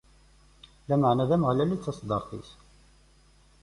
Lameɛna d Ameɣlal i d taseddarit-is.